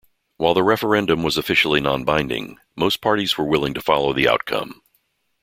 While the referendum was officially non-binding most parties were willing to follow the outcome.